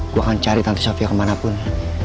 gue akan cari tante shafia kemanapun